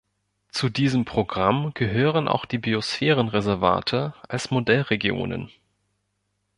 Zu diesem Programm gehören auch die "Biosphärenreservate" als Modellregionen.